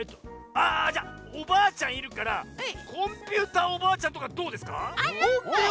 あっじゃあおばあちゃんいるから「コンピューターおばあちゃん」とかどうですか？